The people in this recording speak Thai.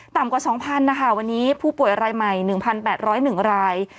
กว่า๒๐๐นะคะวันนี้ผู้ป่วยรายใหม่๑๘๐๑ราย